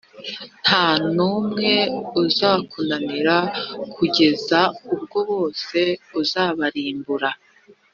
nta n’umwe uzakunanira kugeza ubwo bose uzabarimbura.